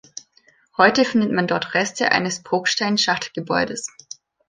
Heute findet man dort Reste eines Bruchstein-Schachtgebäudes.